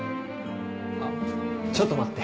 あっちょっと待って。